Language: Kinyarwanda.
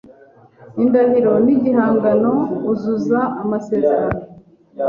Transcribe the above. indahiro n’igihango uzuza amasezerano,